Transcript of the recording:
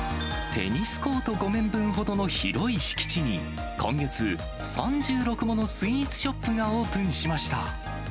テニスコート５面分ほどの広い敷地に、今月、３６ものスイーツショップがオープンしました。